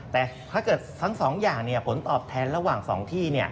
แต่ถ้าเกิดทั้ง๒อย่างผลตอบแทนระหว่าง๒ที่